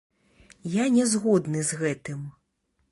Я не згодны з гэтым.